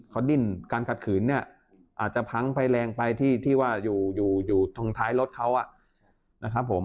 เขาดิ้นการกัดขืนเนี่ยอาจจะพังไฟแรงไปที่ว่าอยู่ทางท้ายรถเขา